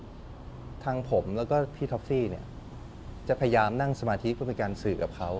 ทางผมแล้วก็พี่ท็อฟฟี่เนี่ยจะพยายามนั่งสมาธิเพื่อเป็นการสื่อกับเขา